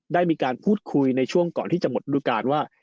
ได้มีการพูดคุยในช่วงก่อนที่จะหมดฤดูการว่า